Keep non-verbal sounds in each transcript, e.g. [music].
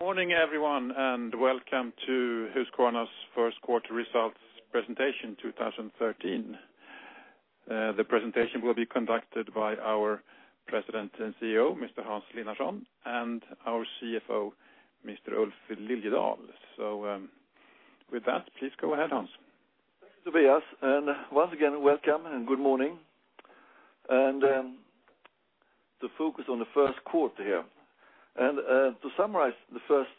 Morning everyone, welcome to Husqvarna's first quarter results presentation 2013. The presentation will be conducted by our President and CEO, Mr. Hans Linnarson, and our CFO, Mr. Ulf Liljedahl. With that, please go ahead, Hans. Thank you, Tobias, once again, welcome and good morning. To focus on the first quarter here. To summarize the first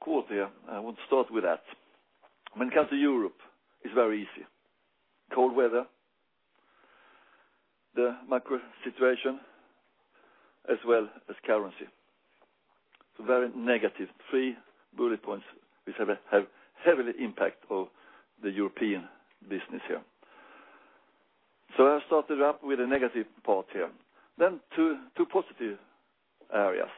quarter here, I want to start with that. When it comes to Europe, it's very easy. Cold weather, the macro situation, as well as currency. Very negative. Three bullet points which have heavily impact of the European business here. I started up with a negative part here. Two positive areas.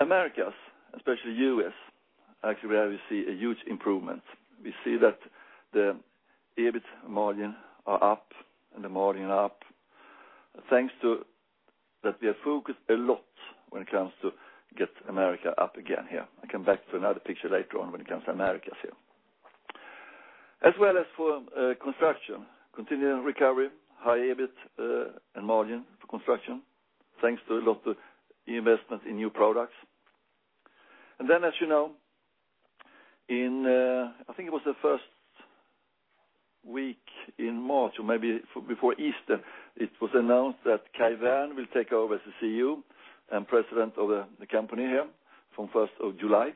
Americas, especially U.S., actually where we see a huge improvement. We see that the EBIT margin are up and the margin are up. Thanks to that, we are focused a lot when it comes to get America up again here. I come back to another picture later on when it comes to Americas here. As well as for construction, continuing recovery, high EBIT, and margin for construction. Thanks to a lot of investment in new products. As you know, in, I think it was the first week in March, or maybe before Easter, it was announced that Kai Wärn will take over as the CEO and President of the company here from 1st of July.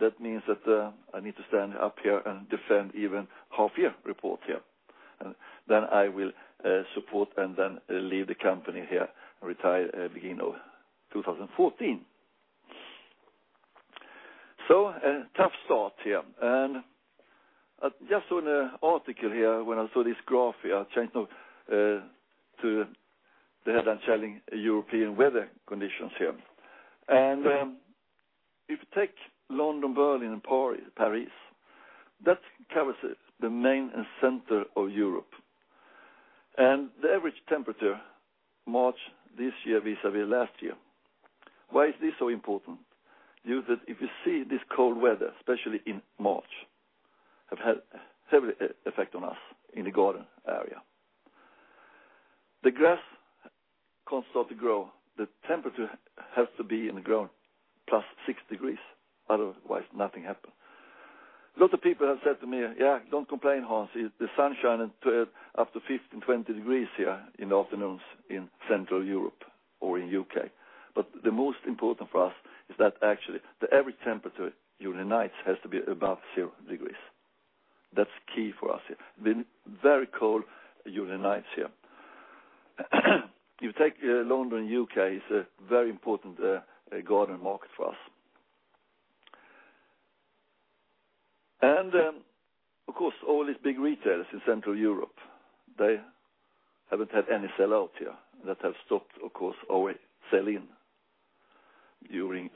That means that I need to stand up here and defend even half-year report here. I will support and then leave the company here and retire at beginning of 2014. A tough start here. I just saw an article here when I saw this graph here, I changed note to the headline challenging European weather conditions here. If you take London, Berlin, and Paris, that covers the main and center of Europe. The average temperature March this year vis-à-vis last year. Why is this so important? Due to that if you see this cold weather, especially in March, have had heavy effect on us in the garden area. The grass can't start to grow. The temperature has to be in the ground plus six degrees, otherwise nothing happen. A lot of people have said to me, "Yeah, don't complain, Hans, the sun shining up to 15, 20 degrees here in the afternoons in Central Europe or in U.K." The most important for us is that actually the average temperature during the nights has to be above zero degrees. That's key for us here. Been very cold during the nights here. If you take London, U.K., it's a very important garden market for us. Of course, all these big retailers in Central Europe, they haven't had any sell-out here that have stopped, of course, our sell-in during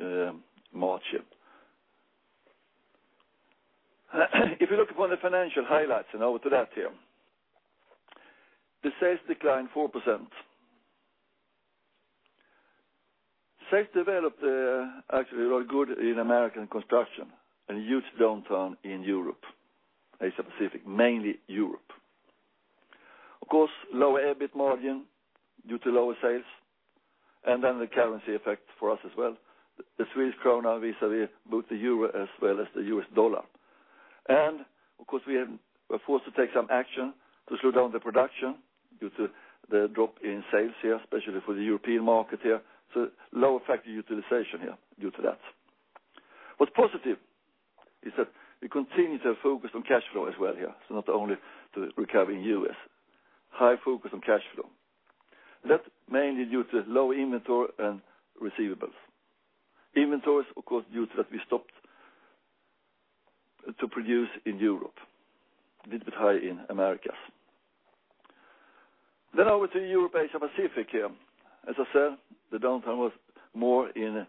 March here. If you look upon the financial highlights and over to that here. The sales declined 4%. Sales developed actually very good in American construction and a huge downturn in Europe, Asia Pacific, mainly Europe. Of course, lower EBIT margin due to lower sales, and then the currency effect for us as well. The Swedish krona vis-à-vis both the euro as well as the US dollar. We are forced to take some action to slow down the production due to the drop in sales here, especially for the European market here. Lower factory utilization here due to that. What's positive is that we continue to focus on cash flow as well here, so not only to recovering U.S. High focus on cash flow. That's mainly due to low inventory and receivables. Inventories, of course, due to that we stopped to produce in Europe. A little bit high in Americas. Over to Europe, Asia Pacific here. As I said, the downturn was more in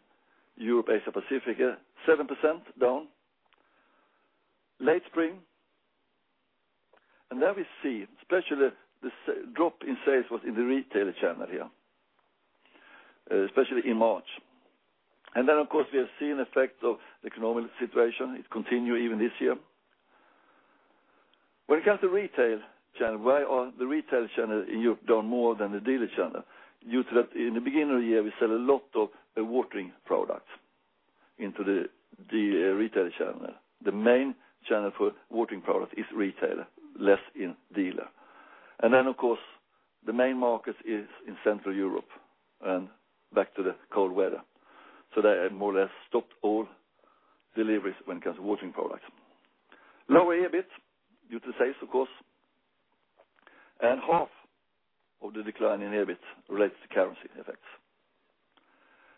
Europe, Asia Pacific, 7% down. Late spring, there we see especially the drop in sales was in the retail channel here, especially in March. Of course, we have seen effect of economic situation. It continue even this year. When it comes to retail channel, why are the retail channel in Europe down more than the dealer channel? Due to that in the beginning of the year, we sell a lot of watering products into the retail channel. The main channel for watering product is retailer, less in dealer. Of course, the main market is in Central Europe and back to the cold weather. They have more or less stopped all deliveries when it comes to watering products. Lower EBIT due to sales, of course, half of the decline in EBIT relates to currency effects.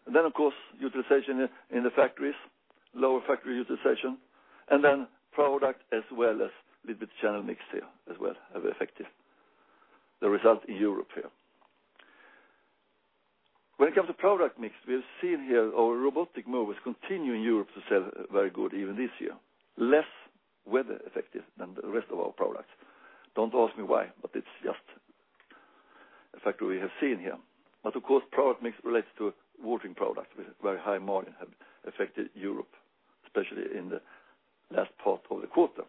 Of course, utilization in the factories, lower factory utilization, product as well as a little bit channel mix here as well have affected the result in Europe here. When it comes to product mix, we have seen here our robotic mowers continue in Europe to sell very good even this year. Less weather effective than the rest of our products. Don't ask me why, but it's just effect we have seen here. Of course, product mix relates to watering products with very high margin have affected Europe, especially in the last part of the quarter.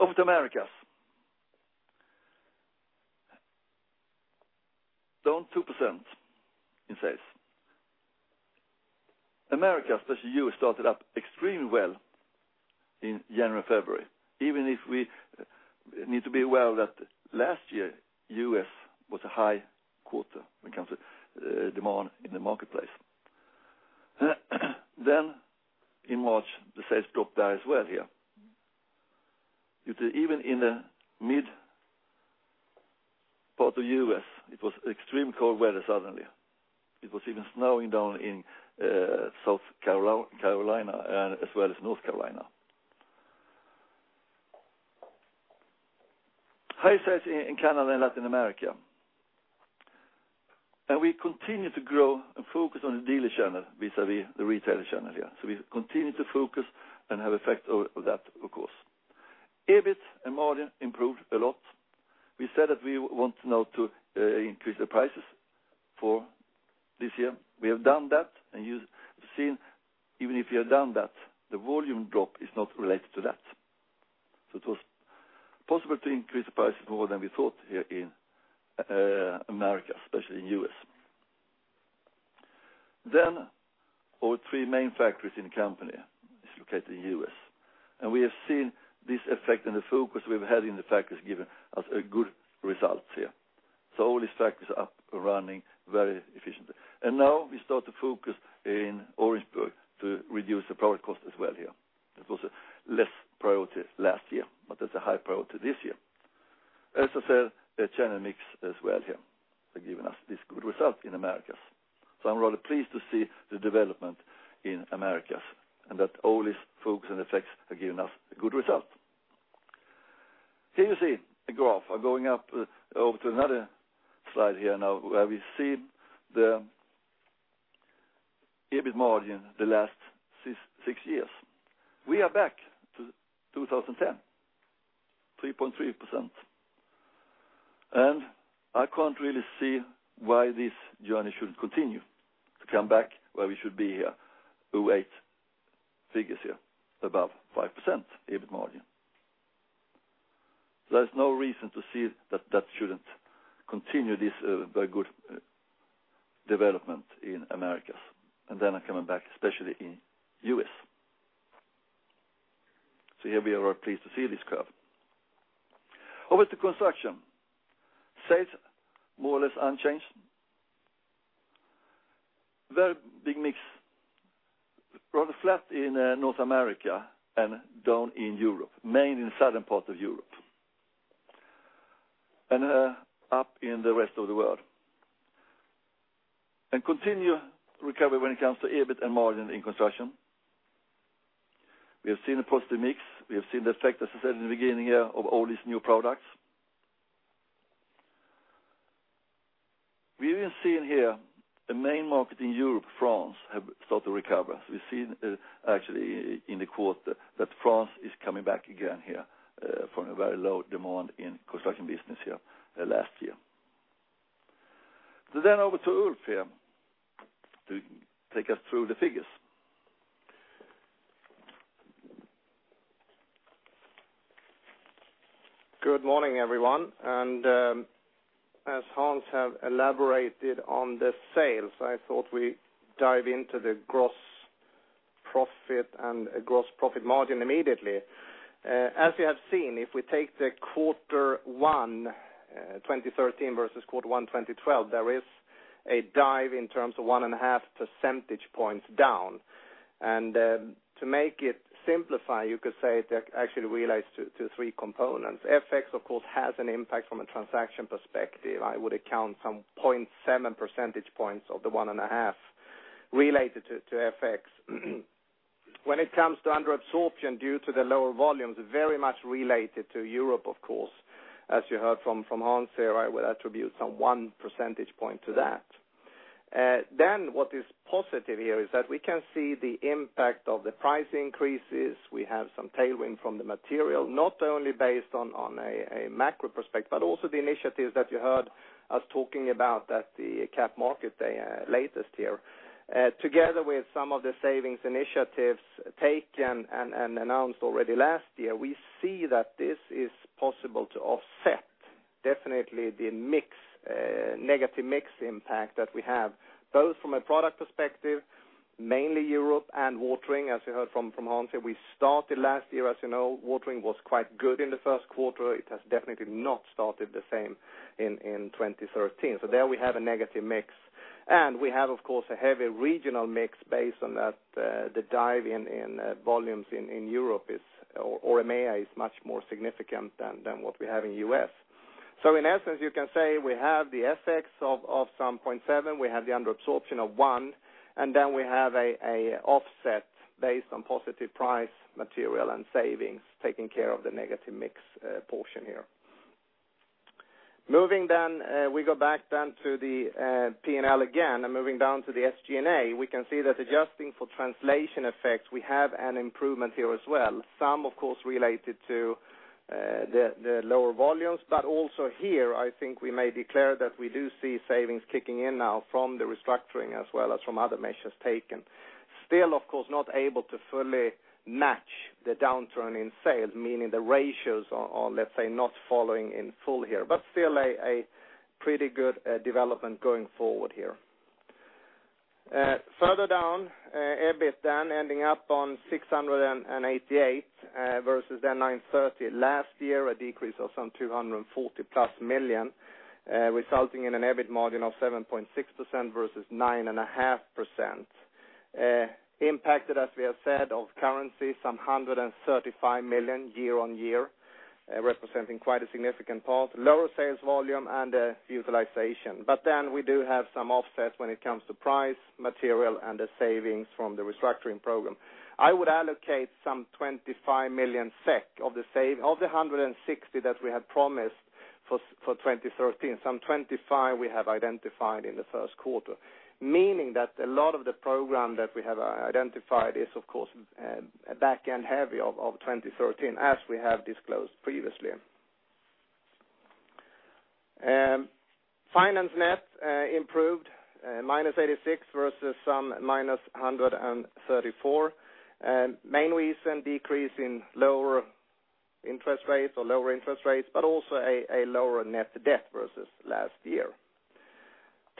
Over to Americas. Down 2% in sales. Americas, especially U.S., started up extremely well in January, February, even if we need to be aware that last year, U.S. was a high quarter when it comes to demand in the marketplace. In March, the sales dropped there as well here. Even in the mid part of U.S., it was extreme cold weather suddenly. It was even snowing down in South Carolina and as well as North Carolina. High sales in Canada and Latin America. We continue to grow and focus on the dealer channel vis-à-vis the retailer channel here. We continue to focus and have effect of that, of course. EBIT and margin improved a lot. We said that we want now to increase the prices for this year. We have done that, you've seen, even if we have done that, the volume drop is not related to that. It was possible to increase the prices more than we thought here in America, especially in U.S. Our three main factories in the company is located in U.S. We have seen this effect and the focus we've had in the factories given us a good results here. All these factories are up and running very efficiently. Now we start to focus in Orangeburg to reduce the product cost as well here. It was a less priority last year, but that's a high priority this year. As I said, the channel mix as well here have given us this good result in Americas. I'm rather pleased to see the development in Americas and that all this focus and effects have given us a good result. Here you see a graph. I'm going up over to another slide here now, where we see the EBIT margin the last six years. We are back to 2010, 3.3%. I can't really see why this journey shouldn't continue to come back where we should be here, 2008 figures here, above 5% EBIT margin. There's no reason to see that shouldn't continue this very good development in Americas, then coming back, especially in U.S. Here we are pleased to see this curve. Over to construction. Sales, more or less unchanged. Very big mix. Rather flat in North America and down in Europe, mainly in southern part of Europe. Up in the rest of the world. Continue recovery when it comes to EBIT and margin in construction. We have seen a positive mix. We have seen the effect, as I said in the beginning here, of all these new products. We've been seeing here, the main market in Europe, France, have started to recover. We've seen, actually, in the quarter that France is coming back again here from a very low demand in construction business here last year. Over to Ulf here to take us through the figures. Good morning, everyone. As Hans have elaborated on the sales, I thought we dive into the gross profit and gross profit margin immediately. As you have seen, if we take the quarter one 2013 versus quarter one 2012, there is a dive in terms of one and a half percentage points down. To make it simplify, you could say that actually relates to three components. FX, of course, has an impact from a transaction perspective. I would account some 0.7 percentage points of the one and a half related to FX. When it comes to under absorption due to the lower volumes, very much related to Europe, of course, as you heard from Hans here, I would attribute some one percentage point to that. What is positive here is that we can see the impact of the price increases. We have some tailwind from the material, not only based on a macro perspective, but also the initiatives that you heard us talking about at the Capital Markets Day latest here. Together with some of the savings initiatives taken and announced already last year, we see that this is possible to offset, definitely the negative mix impact that we have, both from a product perspective, mainly Europe and watering, as you heard from Hans here. We started last year, as you know, watering was quite good in the first quarter. It has definitely not started the same in 2013. There we have a negative mix. We have, of course, a heavy regional mix based on that, the dive in volumes in Europe or EMEA is much more significant than what we have in U.S. In essence, you can say we have the FX of some 0.7, we have the under absorption of one, we have a offset based on positive price, material, and savings taking care of the negative mix portion here. We go back then to the P&L again, moving down to the SG&A, we can see that adjusting for translation effects, we have an improvement here as well. Some, of course, related to the lower volumes. Also here, I think we may declare that we do see savings kicking in now from the restructuring as well as from other measures taken. Still, of course, not able to fully match the downturn in sales, meaning the ratios are, let's say, not following in full here, but still a pretty good development going forward here. Further down, EBIT ending up on 688 versus 930 last year, a decrease of some 240-plus million, resulting in an EBIT margin of 7.6% versus 9.5%. Impacted, as we have said, of currency some 135 million year-on-year, representing quite a significant part. Lower sales volume and utilization. We do have some offsets when it comes to price, material, and the savings from the restructuring program. I would allocate some 25 million SEK of the 160 that we had promised for 2013. Some 25 we have identified in the first quarter, meaning that a lot of the program that we have identified is, of course, back-end heavy of 2013, as we have disclosed previously. Finance net improved, minus 86 versus some minus 134. Main reason, decrease in lower interest rates or lower interest rates, but also a lower net debt versus last year.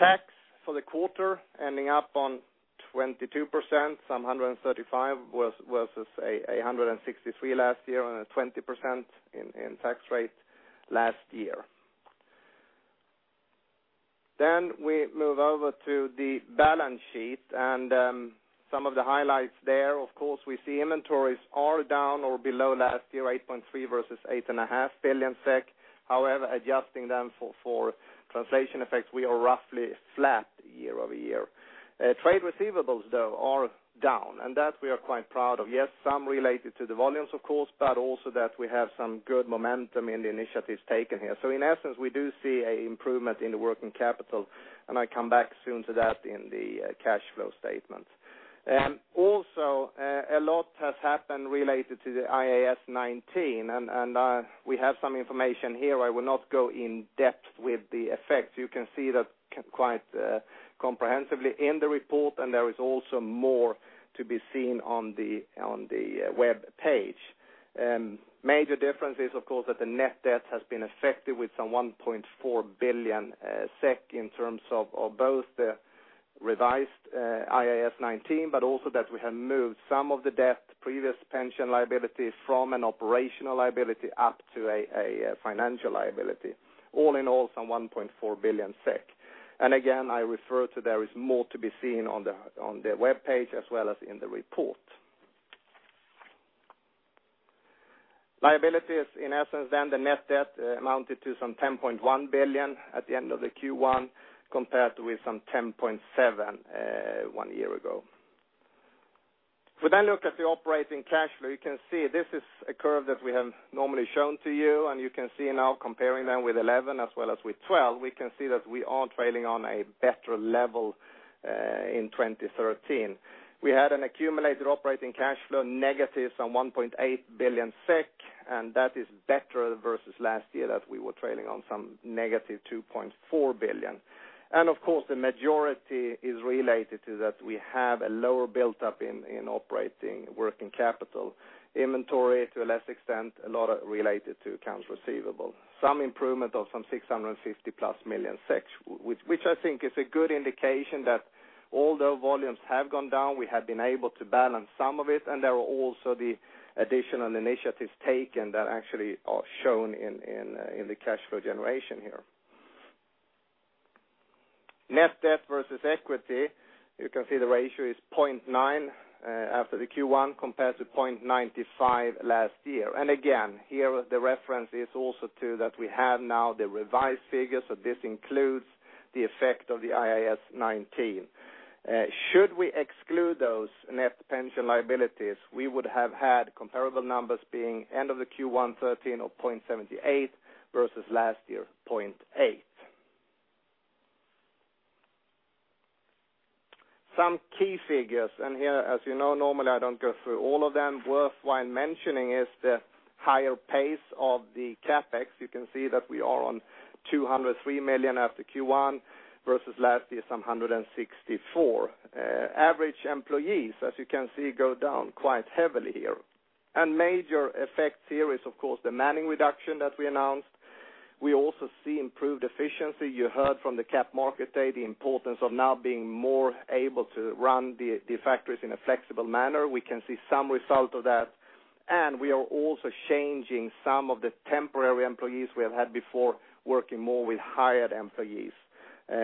Tax for the quarter ending up on 22%, some 135 versus 163 last year and a 20% in tax rate last year. We move over to the balance sheet and some of the highlights there. Of course, we see inventories are down or below last year, 8.3 billion SEK versus 8.5 billion SEK. However, adjusting them for translation effects, we are roughly flat year-over-year. Trade receivables, though, are down, that we are quite proud of. Yes, some related to the volumes, of course, but also that we have some good momentum in the initiatives taken here. In essence, we do see a improvement in the working capital, I come back soon to that in the cash flow statement. Also, a lot has happened related to the IAS 19, we have some information here. I will not go in depth with the effects. You can see that quite comprehensively in the report, and there is also more to be seen on the webpage. Major difference is, of course, that the net debt has been affected with some 1.4 billion SEK in terms of both the revised IAS 19, but also that we have moved some of the debt, previous pension liability from an operational liability up to a financial liability. All in all, some 1.4 billion SEK. I refer to there is more to be seen on the webpage as well as in the report. Liabilities, in essence, the net debt amounted to some 10.1 billion at the end of the Q1, compared with some 10.7 billion one year ago. If we then look at the operating cash flow, you can see this is a curve that we have normally shown to you, and you can see now comparing them with 2011 as well as with 2012, we can see that we are trailing on a better level in 2013. We had an accumulated operating cash flow negative some 1.8 billion SEK, and that is better versus last year that we were trailing on some negative 2.4 billion. Of course, the majority is related to that we have a lower build-up in operating working capital inventory to a less extent, a lot related to accounts receivable. Some improvement of some 650-plus million, which I think is a good indication that although volumes have gone down, we have been able to balance some of it, and there are also the additional initiatives taken that actually are shown in the cash flow generation here. Net debt versus equity. You can see the ratio is 0.9 after the Q1 compared to 0.95 last year. Here the reference is also to that we have now the revised figures, so this includes the effect of the IAS 19. Should we exclude those net pension liabilities, we would have had comparable numbers being end of the Q1 2013 of 0.78 versus last year, 0.8. Some key figures, and here, as you know, normally I don't go through all of them. Worthwhile mentioning is the higher pace of the CapEx. You can see that we are on 203 million after Q1 versus last year, some 164 million. Average employees, as you can see, go down quite heavily here. Major effect here is, of course, the manning reduction that we announced. We also see improved efficiency. You heard from the Capital Markets Day the importance of now being more able to run the factories in a flexible manner. We can see some result of that. We are also changing some of the temporary employees we have had before, working more with hired employees,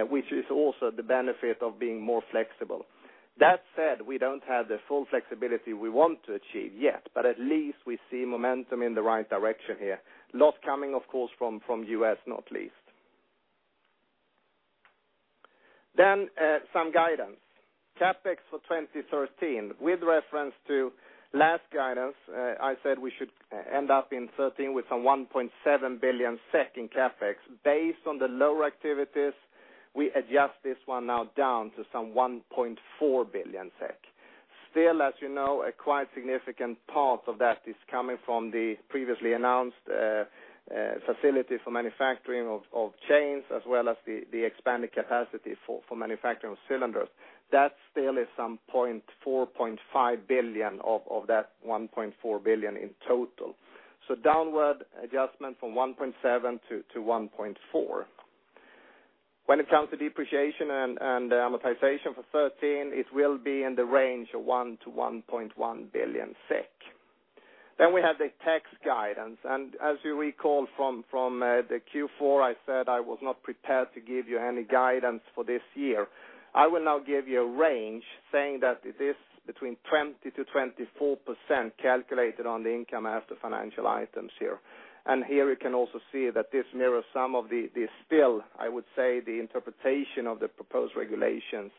which is also the benefit of being more flexible. That said, we don't have the full flexibility we want to achieve yet, but at least we see momentum in the right direction here. A lot coming, of course, from U.S., not least. Then some guidance. CapEx for 2013. With reference to last guidance, I said we should end up in 2013 with some 1.7 billion SEK in CapEx. Based on the lower activities, we adjust this one now down to some 1.4 billion SEK. Still, as you know, a quite significant part of that is coming from the previously announced facility for manufacturing of chains, as well as the expanded capacity for manufacturing of cylinders. That still is some 0.4 billion-0.5 billion of that 1.4 billion in total. So downward adjustment from 1.7 billion to 1.4 billion. When it comes to depreciation and amortization for 2013, it will be in the range of 1 billion-1.1 billion SEK. Then we have the tax guidance, and as you recall from the Q4, I said I was not prepared to give you any guidance for this year. I will now give you a range saying that it is between 20%-24% calculated on the income after financial items here. And here you can also see that this mirrors some of the still, I would say, the interpretation of the proposed regulations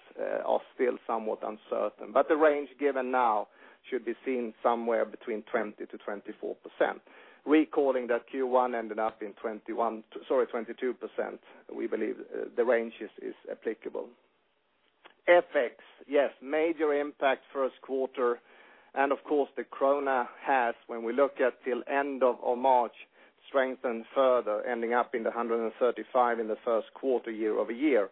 are still somewhat uncertain, but the range given now should be seen somewhere between 20%-24%. Recalling that Q1 ended up in 22%, we believe the range is applicable. FX, yes, major impact first quarter, and of course the krona has, when we look at till end of March, strengthened further, ending up in the 135 in the first quarter year-over-year.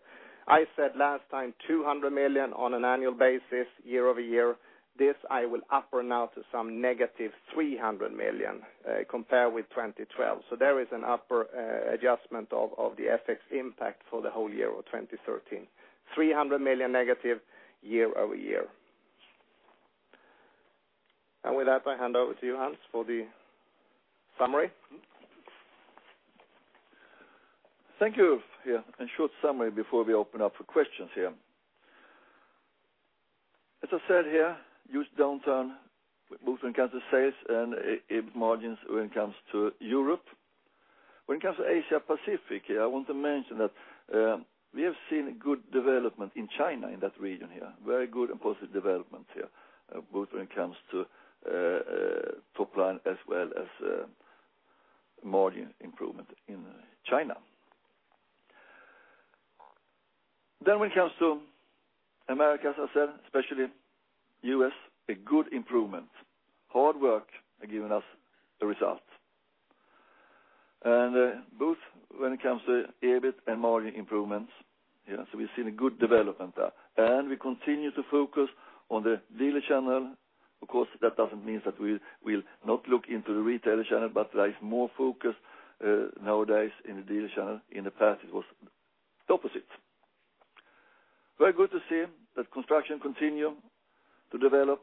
I said last time, 200 million on an annual basis year-over-year. This I will upper now to some negative 300 million compared with 2012. There is an upper adjustment of the FX impact for the whole year of 2013, 300 million negative year-over-year. With that, I hand over to you, Hans, for the summary. Thank you. A short summary before we open up for questions here. As I said here, huge downturn, both when it comes to sales and EBIT margins when it comes to Europe. When it comes to Asia Pacific, I want to mention that we have seen a good development in China, in that region here. Very good and positive development here, both when it comes to top line as well as margin improvement in China. Then when it comes to America, as I said, especially U.S., a good improvement. Hard work has given us the results. And both when it comes to EBIT and margin improvements, so we've seen a good development there. And we continue to focus on the dealer channel. Of course, that doesn't mean that we'll not look into the retailer channel, but there is more focus nowadays in the dealer channel. In the past it was the opposite. Very good to see that construction continue to develop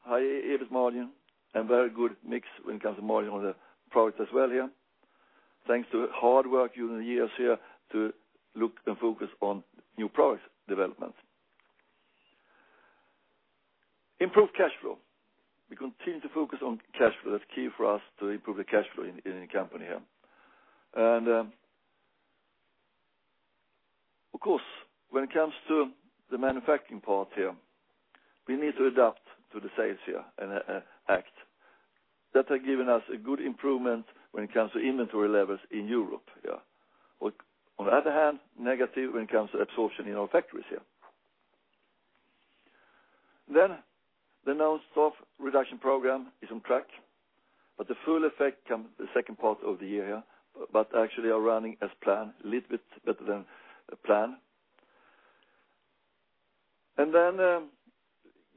high EBIT margin and very good mix when it comes to margin on the product as well here. Thanks to hard work during the years here to look and focus on new product development. Improved cash flow. We continue to focus on cash flow. That's key for us to improve the cash flow in the company here. Of course, when it comes to the manufacturing part here, we need to adapt to the sales here and act. That has given us a good improvement when it comes to inventory levels in Europe here. On the other hand, negative when it comes to absorption in our factories here. The announced staff reduction program is on track, but the full effect come the second part of the year here, actually are running as planned, a little bit better than planned. Give a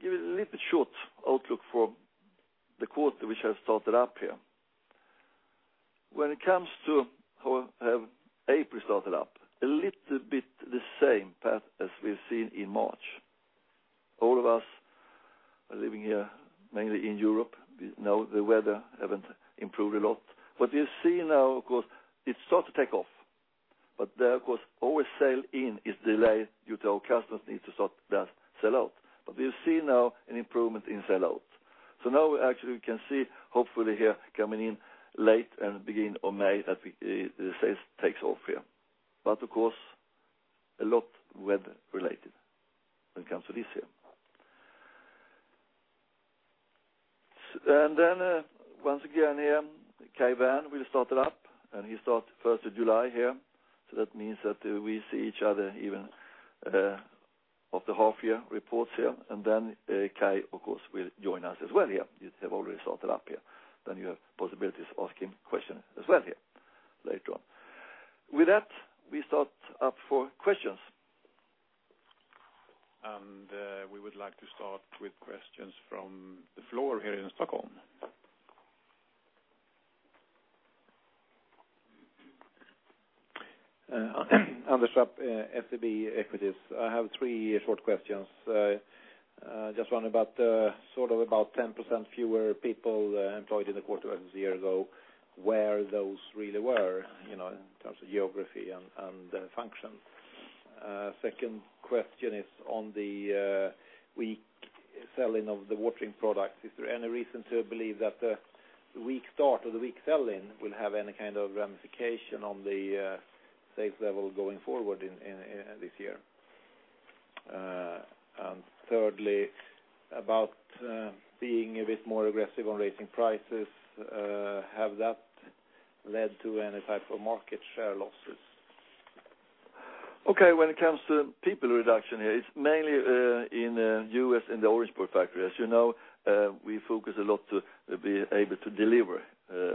little bit short outlook for the quarter which has started up here. When it comes to how have April started up, a little bit the same path as we've seen in March. All of us are living here, mainly in Europe. We know the weather haven't improved a lot. What we see now, of course, it start to take off, but there, of course, always sell in is delayed due to our customers need to sort that sell out. We see now an improvement in sell out. Now we actually can see hopefully here coming in late and beginning of May that the sales takes off here. Of course, a lot weather related when it comes to this here. Once again, Kai Wärn will start up and he start 1st of July here. That means that we see each other even of the half year reports here. Kai, of course, will join us as well here. He have already started up here. You have possibilities to ask him questions as well here later on. With that, we start up for questions. We would like to start with questions from the floor here in Stockholm. Anders Trapp, SEB Equities. I have three short questions. Just one about 10% fewer people employed in the quarter versus a year ago, where those really were, in terms of geography and function. Second question is on the weak sell in of the watering products. Is there any reason to believe that the weak start or the weak sell in will have any kind of ramification on the sales level going forward in this year? Thirdly, about being a bit more aggressive on raising prices, have that led to any type of market share losses? Okay, when it comes to people reduction, it's mainly in the U.S. in the Orangeburg factory. As you know, we focus a lot to be able to deliver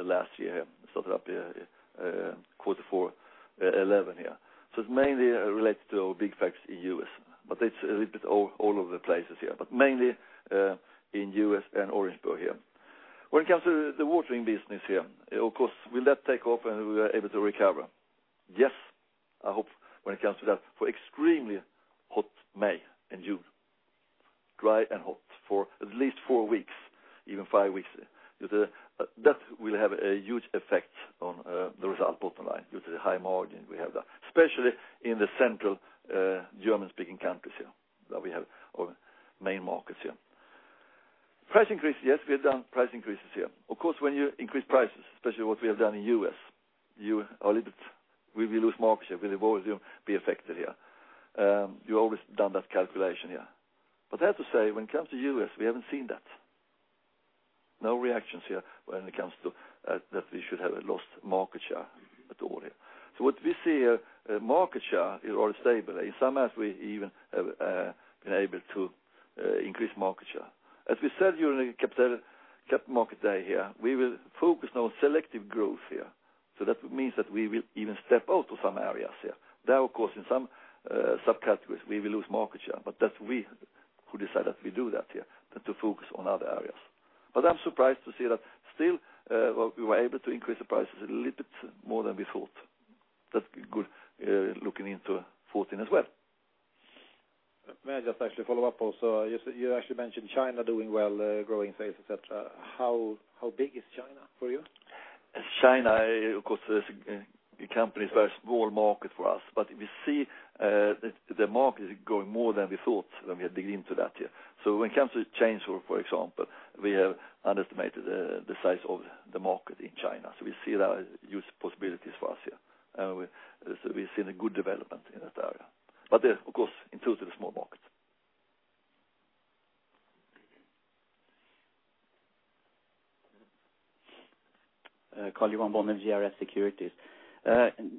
last year, starting up Q4 2011 here. It's mainly related to our big factory in U.S., but it's a little bit all over the place, but mainly in U.S. and Orangeburg. When it comes to the watering business, of course, will that take off and we are able to recover? Yes, I hope when it comes to that, for extremely hot May and June, dry and hot for at least four weeks, even five weeks. That will have a huge effect on the result bottom line due to the high margin we have there, especially in the central German-speaking countries, where we have our main markets. Price increase, yes, we have done price increases here. Of course, when you increase prices, especially what we have done in U.S., we will lose market share. We will always be affected. You always done that calculation here. I have to say, when it comes to U.S., we haven't seen that. No reactions here when it comes to that we should have a lost market share at all here. What we see here, market share is all stable. In some areas, we even have been able to increase market share. As we said during the Capital Markets Day here, we will focus now on selective growth here. That means that we will even step out of some areas here. That, of course, in some subcategories, we will lose market share, That's we who decide that we do that here than to focus on other areas. I'm surprised to see that still, we were able to increase the prices a little bit more than we thought. That's good looking into 2014 as well. May I just actually follow up also? You actually mentioned China doing well, growing sales, et cetera. How big is China for you? China, of course, the company is a very small market for us, but we see the market is growing more than we thought when we had dig into that here. When it comes to chainsaw, for example, we have underestimated the size of the market in China. We see that as huge possibilities for us here. We've seen a good development in that area. Of course, in total, a small market. Carl-Johan Bonnier, JRS Securities.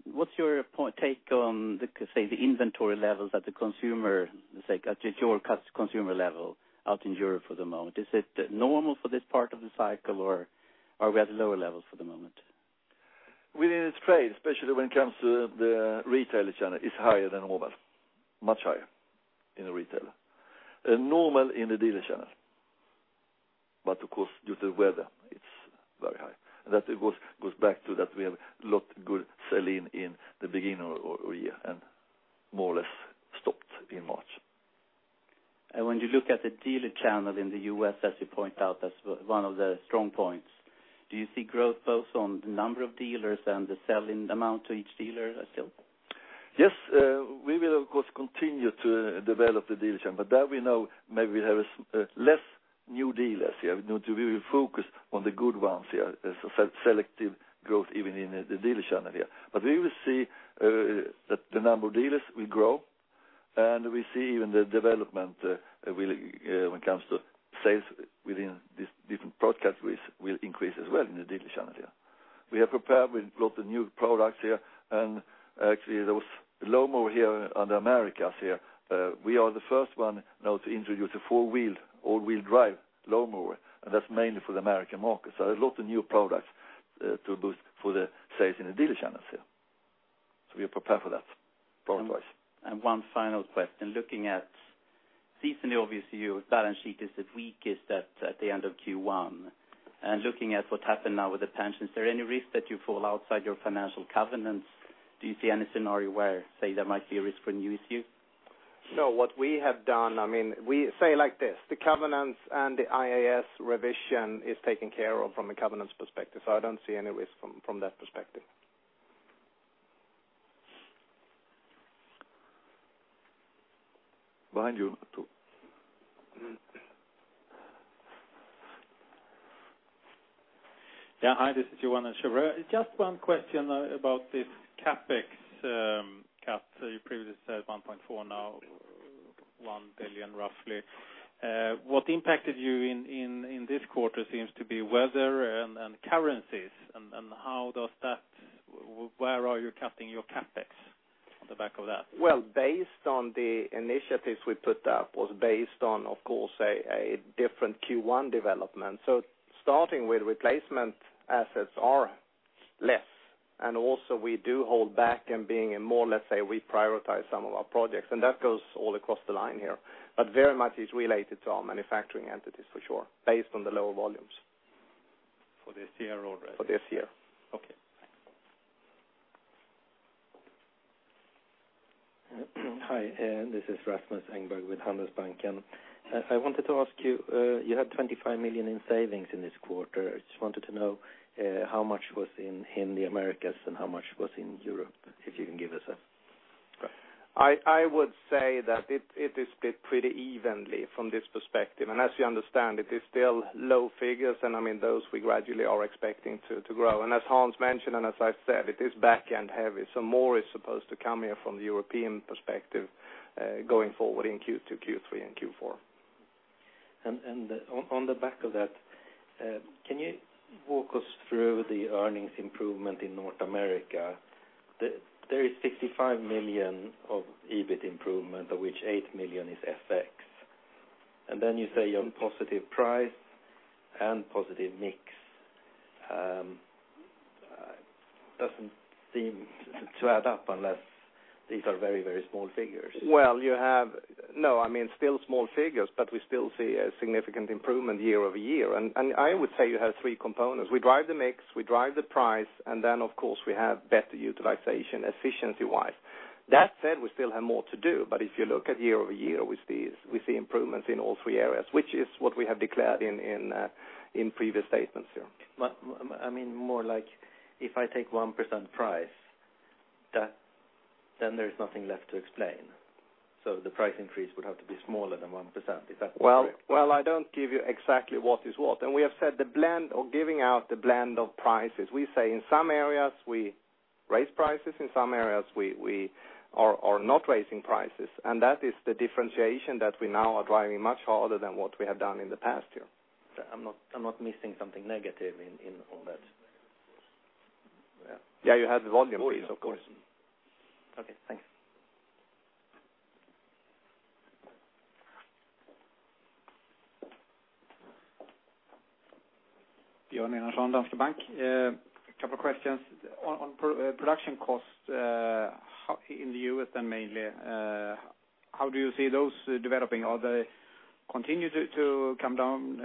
What's your take on the, say, the inventory levels at your consumer level out in Europe for the moment? Is it normal for this part of the cycle, or are we at lower levels for the moment? Within this trade, especially when it comes to the retailer channel, it's higher than normal, much higher in the retailer. Normal in the dealer channel. Of course, due to weather, it's very high. That goes back to that we have a lot good sell-in in the beginning of year and more or less stopped in March. When you look at the dealer channel in the U.S., as you point out, that's one of the strong points. Do you see growth both on the number of dealers and the sell-in amount to each dealer still? Yes, we will, of course, continue to develop the dealer channel, but that we know maybe we have less new dealers here. We will focus on the good ones here as a selective growth even in the dealer channel here. We will see that the number of dealers will grow, and we see even the development when it comes to sales within these different product categories will increase as well in the dealer channel here. We are prepared with lots of new products here, and actually, those lawnmower here on the Americas here, we are the first one now to introduce a four-wheel, all-wheel drive lawnmower, and that's mainly for the American market. There's lots of new products to boost for the sales in the dealer channels here. We are prepared for that product-wise. One final question. Looking at seasonally, obviously, your balance sheet is the weakest at the end of Q1. Looking at what happened now with the pensions, is there any risk that you fall outside your financial covenants? Do you see any scenario where, say, there might be a risk for new issue? No, what we have done, we say it like this: the covenants and the IAS revision is taken care of from a covenants perspective. I don't see any risk from that perspective. Behind you. [inaudible] Yeah, hi, this is Johan at Schroders. Just one question about this CapEx cut. You previously said 1.4 billion, now 1 billion, roughly. What impacted you in this quarter seems to be weather and currencies, where are you cutting your CapEx on the back of that? Well, based on the initiatives we put up was based on, of course, a different Q1 development. Starting with replacement assets are less, also we do hold back and being in more, let's say, reprioritize some of our projects, that goes all across the line here. Very much is related to our manufacturing entities, for sure, based on the lower volumes. For this year or next? For this year. Okay, thanks. Hi, this is Rasmus Engberg with Handelsbanken. I wanted to ask you had 25 million in savings in this quarter. I just wanted to know how much was in the Americas and how much was in Europe, if you can give us that. I would say that it is split pretty evenly from this perspective. As you understand, it is still low figures, and those we gradually are expecting to grow. As Hans mentioned, and as I said, it is back-end heavy. More is supposed to come here from the European perspective going forward in Q2, Q3, and Q4. On the back of that, can you walk us through the earnings improvement in North America? There is 65 million of EBIT improvement, of which 8 million is FX. Then you say on positive price and positive mix. It doesn't seem to add up unless these are very, very small figures. Well, no, still small figures, but we still see a significant improvement year-over-year. I would say you have three components. We drive the mix, we drive the price, and then, of course, we have better utilization efficiency-wise. That said, we still have more to do, but if you look at year-over-year, we see improvements in all three areas, which is what we have declared in previous statements here. More like if I take 1% price, then there is nothing left to explain. The price increase would have to be smaller than 1%, is that correct? Well, I don't give you exactly what is what. We have said the blend or giving out the blend of prices, we say in some areas we raise prices, in some areas we are not raising prices. That is the differentiation that we now are driving much harder than what we have done in the past year. I'm not missing something negative in all that. Yeah, you have the volume piece, of course. Volume. Okay, thanks. Björn Enarson, Danske Bank. A couple of questions. On production costs in the U.S. mainly, how do you see those developing? Are they continue to come down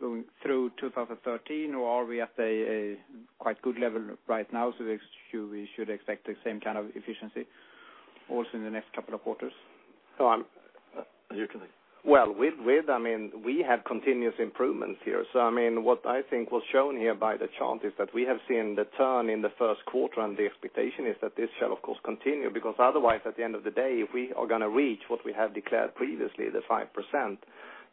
going through 2013, or are we at a quite good level right now, so we should expect the same kind of efficiency also in the next couple of quarters? Well, we have continuous improvements here. What I think was shown here by the chart is that we have seen the turn in the first quarter, and the expectation is that this shall, of course, continue, because otherwise, at the end of the day, if we are going to reach what we have declared previously, the 5%,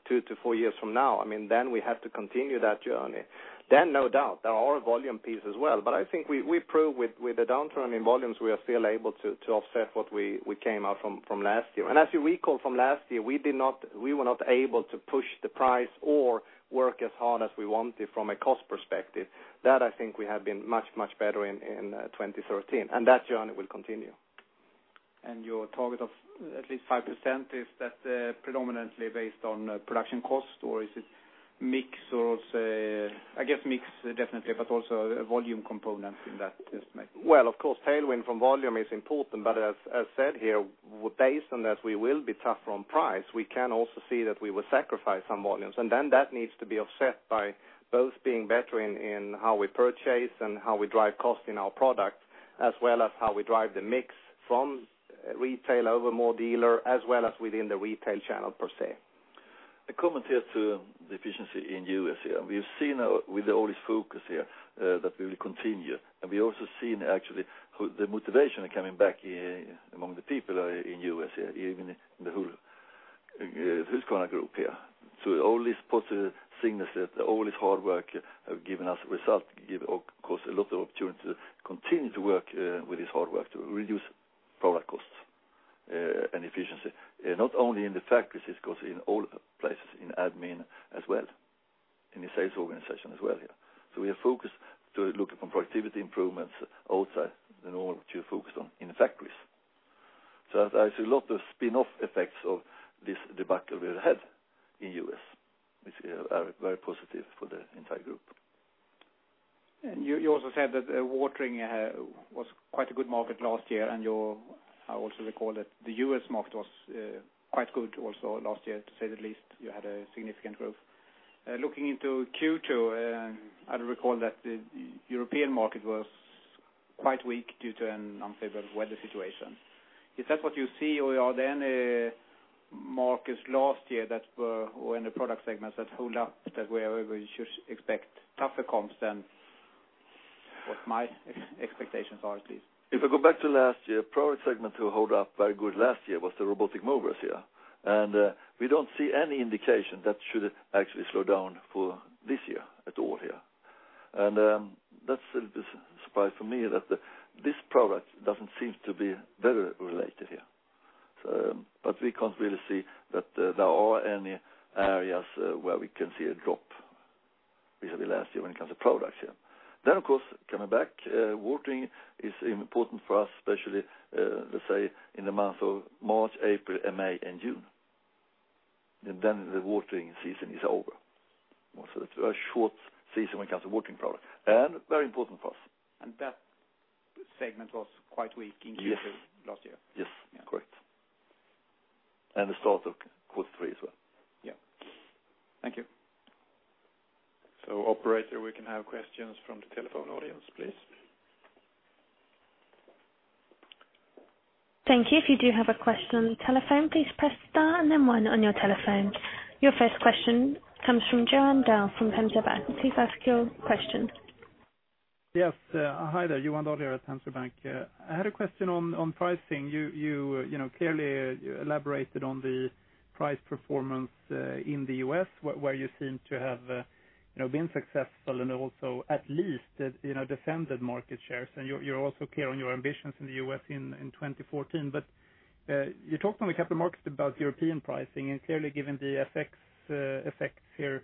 2-4 years from now, we have to continue that journey. No doubt, there are volume pieces as well. I think we proved with the downturn in volumes, we are still able to offset what we came out from last year. As you recall from last year, we were not able to push the price or work as hard as we wanted from a cost perspective. That I think we have been much, much better in 2013, and that journey will continue. Your target of at least 5%, is that predominantly based on production cost, or is it mix, I guess mix definitely, but also a volume component in that estimate? Well, of course, tailwind from volume is important, as said here, based on that, we will be tougher on price. We can also see that we will sacrifice some volumes. That needs to be offset by both being better in how we purchase and how we drive cost in our product, as well as how we drive the mix from retail over more dealer, as well as within the retail channel per se. A comment here to the efficiency in U.S. here. We've seen with all this focus here that we will continue. We also seen actually the motivation coming back among the people in U.S. here, even in the whole Husqvarna Group here. All these positive signals that all this hard work have given us result, give, of course, a lot of opportunity to continue to work with this hard work to reduce product costs and efficiency, not only in the factories, of course, in all places, in admin as well, in the sales organization as well here. We are focused to look at productivity improvements outside the normal, to focus on in the factories. I see a lot of spin-off effects of this debacle we had in U.S., which are very positive for the entire group. You also said that watering was quite a good market last year, and I also recall that the U.S. market was quite good also last year, to say the least. You had a significant growth. Looking into Q2, I recall that the European market was quite weak due to an unfavorable weather situation. Is that what you see, or are there any markets last year that were in the product segments that hold up that we should expect tougher comps than what my expectations are, at least? If I go back to last year, product segment to hold up very good last year was the robotic mowers here. We don't see any indication that should actually slow down for this year at all here. That's a surprise for me that this product doesn't seem to be weather-related here. We can't really see that there are any areas where we can see a drop vis-a-vis last year when it comes to products here. Of course, coming back, watering is important for us, especially, let's say, in the month of March, April, and May, and June. Then the watering season is over. It's a short season when it comes to watering product, and very important for us. That segment was quite weak in Q2 last year. Yes. Correct. The start of Q3 as well. Yeah. Thank you. Operator, we can have questions from the telephone audience, please. Thank you. If you do have a question on the telephone, please press star and then one on your telephone. Your first question comes from Johan Dahl from SEB Bank. Please ask your question. Yes. Hi there. Johan Dahl here at SEB Bank. I had a question on pricing. You clearly elaborated on the price performance in the U.S., where you seem to have been successful and also at least defended market shares. You're also clear on your ambitions in the U.S. in 2014. You talked on the capital markets about European pricing, and clearly given the effects here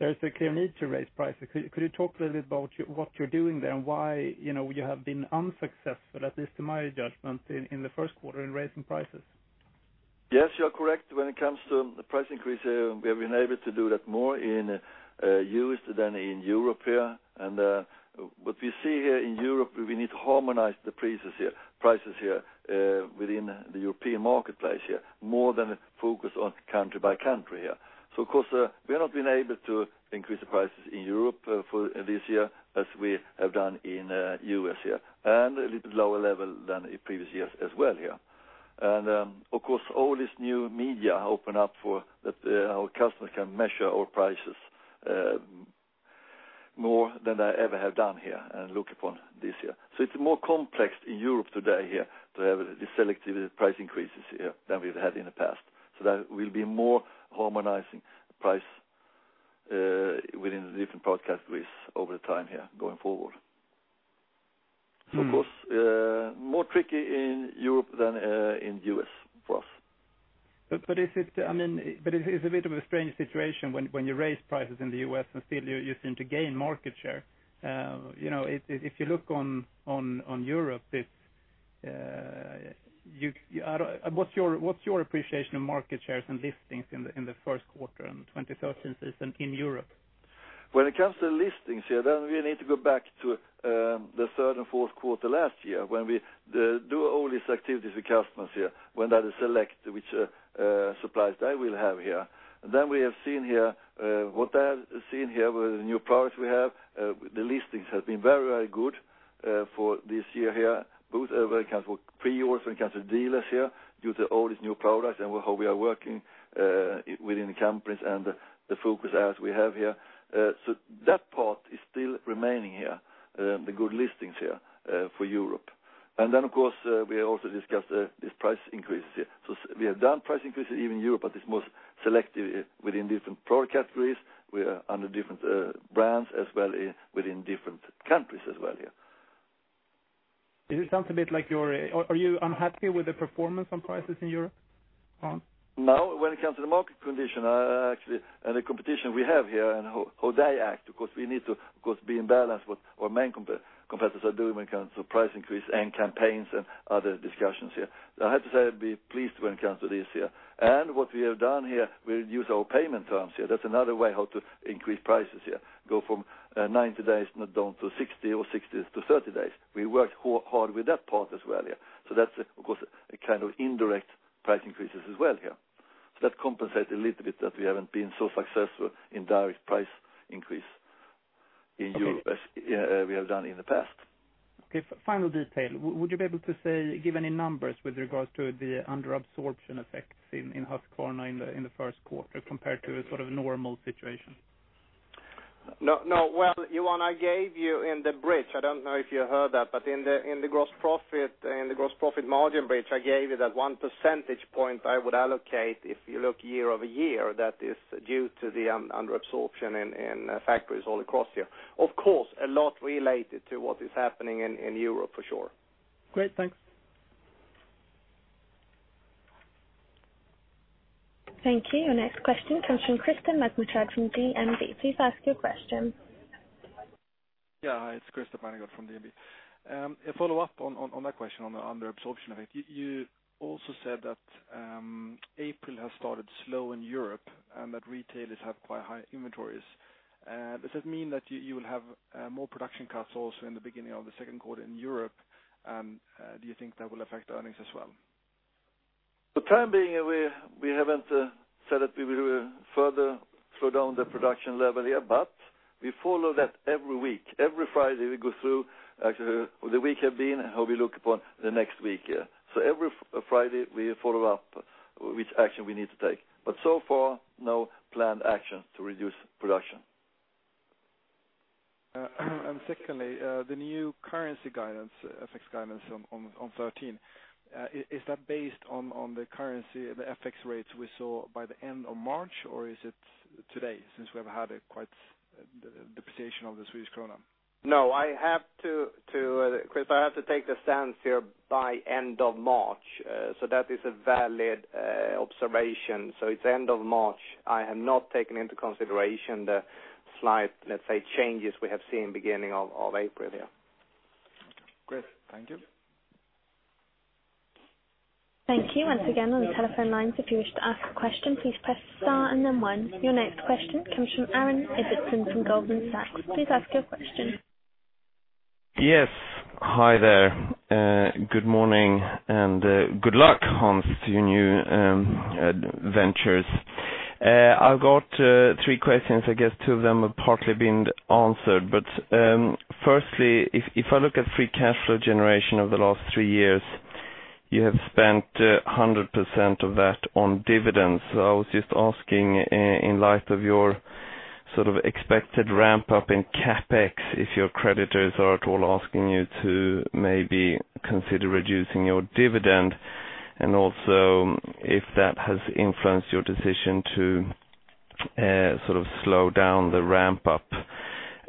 There's a clear need to raise prices. Could you talk a little bit about what you're doing there and why you have been unsuccessful, at least to my judgment, in the first quarter in raising prices? Yes, you are correct. When it comes to the price increase, we have been able to do that more in U.S. than in Europe here. What we see here in Europe, we need to harmonize the prices here within the European marketplace here more than focus on country by country here. Of course, we have not been able to increase the prices in Europe for this year as we have done in U.S. here, and a little bit lower level than in previous years as well here. Of course, all this new media open up for our customers can measure our prices more than they ever have done here, and look upon this year. It's more complex in Europe today here to have the selectivity price increases here than we've had in the past. That will be more harmonizing price within the different product categories over the time here going forward. Of course, more tricky in Europe than in U.S. for us. It's a bit of a strange situation when you raise prices in the U.S. and still you seem to gain market share. If you look on Europe, what's your appreciation of market shares and listings in the first quarter and 2013 season in Europe? When it comes to listings here, we need to go back to the third and fourth quarter last year when we do all these activities with customers here, when they select which suppliers they will have here. What I have seen here with the new products we have, the listings have been very good for this year here, both when it comes for pre-orders, when it comes to dealers here, due to all these new products and how we are working within the companies and the focus areas we have here. That part is still remaining here, the good listings here for Europe. Of course, we have also discussed these price increases here. We have done price increases even in Europe, but it's most selective within different product categories, under different brands as well within different countries as well here. Are you unhappy with the performance on prices in Europe, Hans? No, when it comes to the market condition, actually, and the competition we have here and how they act, of course, we need to, of course, be in balance with our main competitors are doing when it comes to price increase and campaigns and other discussions here. I have to say I'd be pleased when it comes to this here. What we have done here, we use our payment terms here. That's another way how to increase prices here. Go from 90 days down to 60 or 60 to 30 days. We worked hard with that part as well here. That's, of course, a kind of indirect price increases as well here. That compensate a little bit that we haven't been so successful in direct price increase in Europe as we have done in the past. Okay, final detail. Would you be able to say, give any numbers with regards to the under absorption effects in Husqvarna in the first quarter compared to sort of normal situation? No. Well, Johan, I gave you in the bridge, I don't know if you heard that, but in the gross profit margin bridge, I gave you that one percentage point I would allocate, if you look year-over-year, that is due to the under absorption in factories all across here. Of course, a lot related to what is happening in Europe for sure. Great. Thanks. Thank you. Your next question comes from Christer Magnergård from DNB. Please ask your question. Hi, it's Christer Magnergård from DNB. A follow-up on that question on the under absorption effect. You also said that April has started slow in Europe and that retailers have quite high inventories. Does it mean that you will have more production cuts also in the beginning of the second quarter in Europe? Do you think that will affect earnings as well? For the time being, we haven't said that we will further slow down the production level here. We follow that every week. Every Friday, we go through actually how the week has been, how we look upon the next week here. Every Friday we follow up which action we need to take. So far, no planned action to reduce production. Secondly, the new currency guidance, FX guidance on 13. Is that based on the currency, the FX rates we saw by the end of March, or is it today since we have had a quite depreciation of the Swedish krona? No. Christer Magnergård, I have to take the stance here by end of March. That is a valid observation. It's end of March. I have not taken into consideration the slight, let's say, changes we have seen beginning of April, yeah. Great. Thank you. Thank you. Once again, on the telephone lines, if you wish to ask a question, please press star and then one. Your next question comes from Aaron Ibbotson from Goldman Sachs. Please ask your question. Yes. Hi there. Good morning and good luck, Hans, to your new ventures. I've got three questions. I guess two of them have partly been answered. Firstly, if I look at free cash flow generation over the last three years, you have spent 100% of that on dividends. I was just asking, in light of your sort of expected ramp-up in CapEx, if your creditors are at all asking you to maybe consider reducing your dividend, and also if that has influenced your decision to sort of slow down the ramp-up.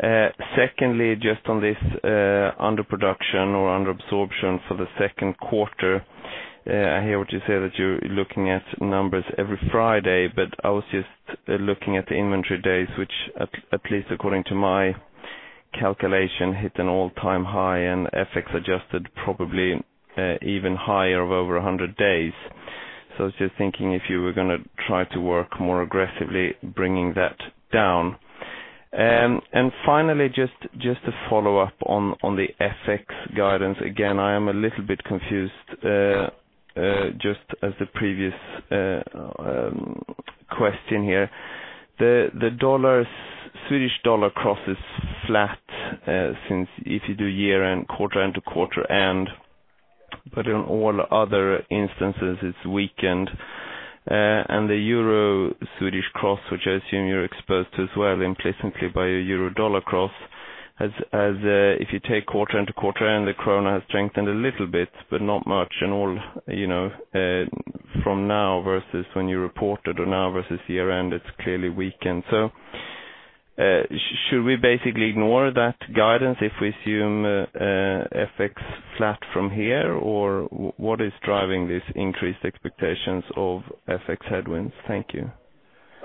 Secondly, just on this underproduction or under absorption for the second quarter, I hear what you say that you're looking at numbers every Friday, but I was just looking at the inventory days, which at least according to my calculation, hit an all-time high and FX-adjusted probably even higher of over 100 days. I was just thinking if you were going to try to work more aggressively bringing that down. Finally, just to follow up on the FX guidance. Again, I am a little bit confused, just as the previous question here. The SEK/USD cross is flat since if you do year-end, quarter-end to quarter-end, but in all other instances, it's weakened. The EUR/SEK cross, which I assume you're exposed to as well implicitly by a EUR/USD cross, if you take quarter-end to quarter-end, the krona has strengthened a little bit, but not much in all from now versus when you reported or now versus year-end, it's clearly weakened. Should we basically ignore that guidance if we assume FX flat from here, or what is driving these increased expectations of FX headwinds? Thank you.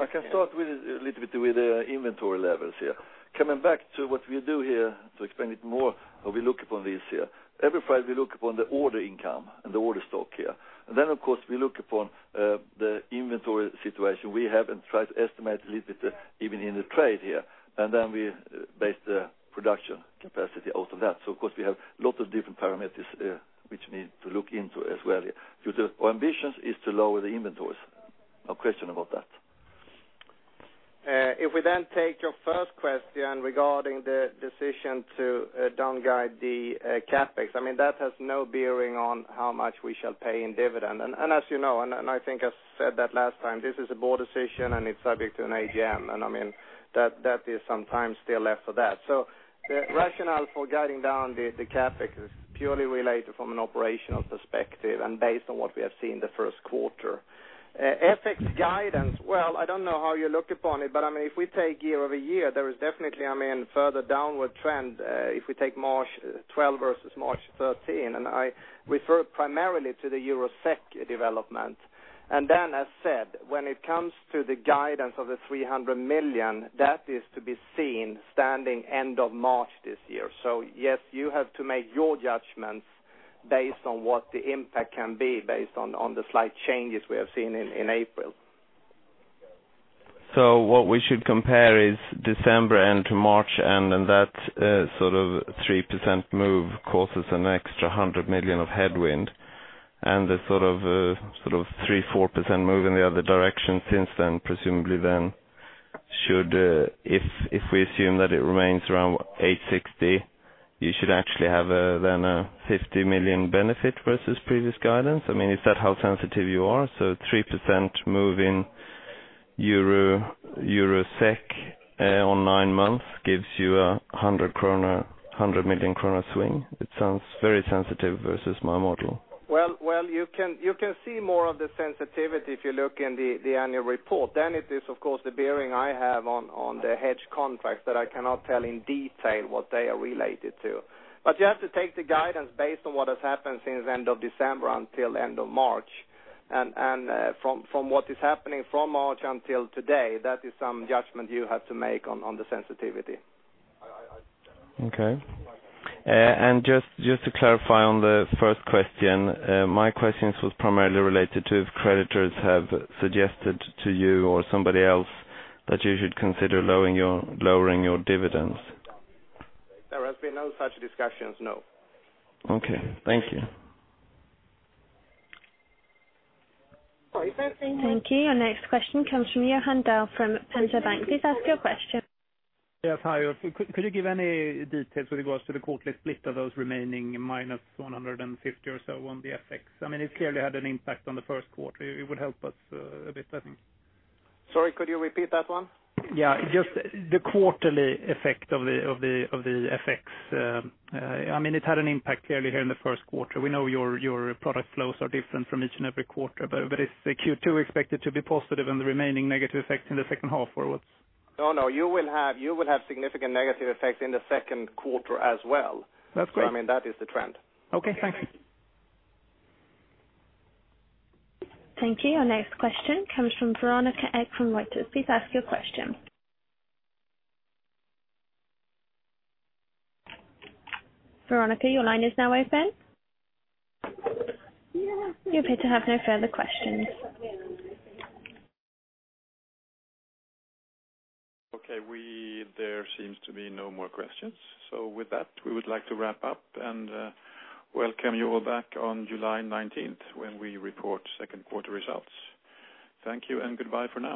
I can start a little bit with the inventory levels here. Coming back to what we do here to explain it more how we look upon this here. Every Friday, we look upon the order income and the order stock here. Of course, we look upon the inventory situation we have and try to estimate a little bit, even in the trade here, and then we base the production capacity out of that. Of course, we have lots of different parameters which we need to look into as well. Our ambitions is to lower the inventories. No question about that. If we then take your first question regarding the decision to down guide the CapEx, that has no bearing on how much we shall pay in dividend. As you know, and I think I said that last time, this is a board decision, and it's subject to an AGM. That is some time still left for that. The rationale for guiding down the CapEx is purely related from an operational perspective and based on what we have seen the first quarter. FX guidance, well, I don't know how you look upon it, but if we take year-over-year, there is definitely further downward trend, if we take March 2012 versus March 2013, and I refer primarily to the EUR/SEK development. As said, when it comes to the guidance of the 300 million, that is to be seen standing end of March this year. Yes, you have to make your judgments based on what the impact can be based on the slight changes we have seen in April. What we should compare is December end to March end, and that 3% move causes an extra 100 million of headwind, and the 3%-4% move in the other direction since then, presumably then, if we assume that it remains around 860, you should actually have then a 50 million benefit versus previous guidance? Is that how sensitive you are? 3% move in EUR/SEK on nine months gives you a 100 million kronor swing. It sounds very sensitive versus my model. Well, you can see more of the sensitivity if you look in the annual report. It is, of course, the bearing I have on the hedge contracts that I cannot tell in detail what they are related to. You have to take the guidance based on what has happened since end of December until end of March. From what is happening from March until today, that is some judgment you have to make on the sensitivity. Okay. Just to clarify on the first question, my questions was primarily related to if creditors have suggested to you or somebody else that you should consider lowering your dividends. There has been no such discussions, no. Okay. Thank you. Sorry, is that same line? Thank you. Our next question comes from Johan Dahl from Penser Bank. Please ask your question. Yes, hi. Could you give any details with regards to the quarterly split of those remaining -150 or so on the FX? It clearly had an impact on the first quarter. It would help us a bit, I think. Sorry, could you repeat that one? Yeah, just the quarterly effect of the FX. It had an impact clearly here in the first quarter. We know your product flows are different from each and every quarter, is the Q2 expected to be positive and the remaining negative effect in the second half onwards? No, you will have significant negative effects in the second quarter as well. That's great. That is the trend. Okay, thanks. Thank you. Our next question comes from Veronica Ek from Reuters. Please ask your question. Veronica, your line is now open. You appear to have no further questions. Okay. There seems to be no more questions. With that, we would like to wrap up and welcome you all back on July 19th when we report second quarter results. Thank you and goodbye for now.